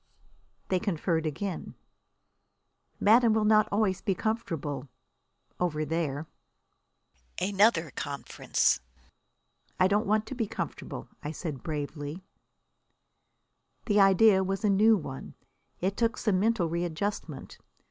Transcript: They conferred again. "Madame will not always be comfortable over there." "I don't want to be comfortable," I said bravely. Another conference. The idea was a new one; it took some mental readjustment.